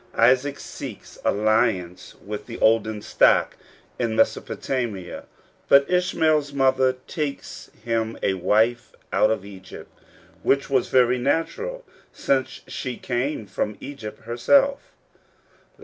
Isaac seeks alliance with The Two Lives. 15 the olden stock in Mesopotamia; but Ishmael's mother takes him a wife out of Egypt, which was very natural, since she came from Egypt herself.